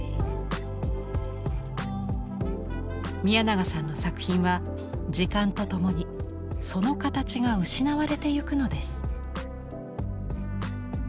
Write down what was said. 宮永さんの作品は時間とともにその形が失われていくのです。